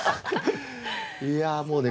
いやあもうね